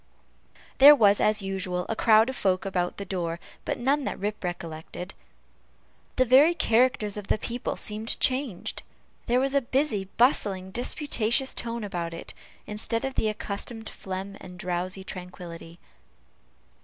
There was, as usual, a crowd of folk about the door, but none that Rip recollected. The very character of the people seemed changed. There was a busy, bustling, disputatious tone about it, instead of the accustomed phlegm and drowsy tranquillity.